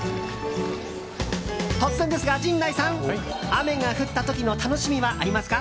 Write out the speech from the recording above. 突然ですが、陣内さん雨が降った時の楽しみはありますか？